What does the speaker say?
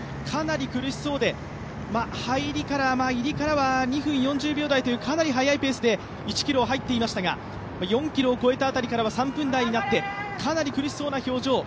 かなり苦しそうで、入りからは２分４０秒台というかなり速いペースで１ｋｍを入っていましたが、４ｋｍを超えた辺りからは３分台になってかなり苦しそうな表情。